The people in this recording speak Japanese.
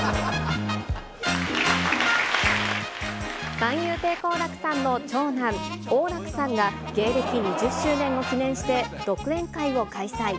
三遊亭好楽さんの長男、王楽さんが芸歴２０周年を記念して、独演会を開催。